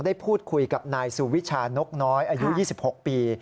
ได้พูดคุยกับนายสุวิชานกน้อยอายุ๒๖ปี